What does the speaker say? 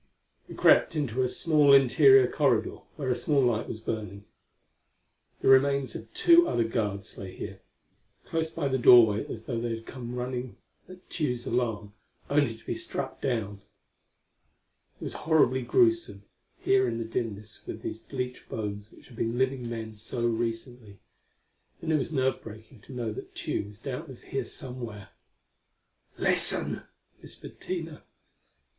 We crept into a small interior corridor where a small light was burning. The remains of two other guards lay here, close by the doorway as though they had come running at Tugh's alarm, only to be struck down. It was horribly gruesome, here in the dimness with these bleached bones which had been living men so recently. And it was nerve breaking to know that Tugh was doubtless here somewhere. "Listen!" whispered Tina.